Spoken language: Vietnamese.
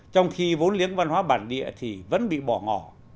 trong khi vốn liếng văn hóa bản địa thì vẫn bị bỏ ngỏ